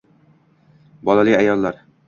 Bolali ayollar